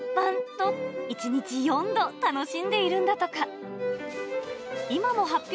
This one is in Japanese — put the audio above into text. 朝昼晩晩と、１日４度、楽しんでいるんだとか。